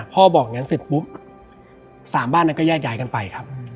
บอกอย่างนั้นเสร็จปุ๊บ๓บ้านนั้นก็แยกย้ายกันไปครับ